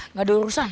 nggak ada urusan